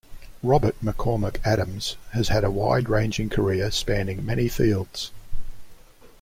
Robert McCormick Adams has had a wide-ranging career spanning many fields.